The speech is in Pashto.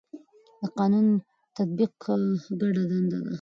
د قانون تطبیق ګډه دنده ده